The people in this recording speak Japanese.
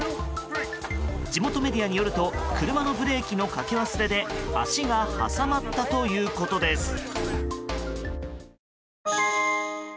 地元メディアによると車のブレーキのかけ忘れで足が挟まったということです。